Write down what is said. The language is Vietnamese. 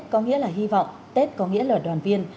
có nghĩa là hy vọng tết có nghĩa là đoàn viên